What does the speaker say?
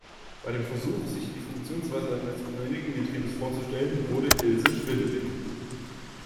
Bei dem Versuch, sich die Funktionsweise eines Planetengetriebes vorzustellen, wurde Ilse schwindelig.